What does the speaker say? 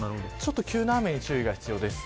急な雨に注意が必要です。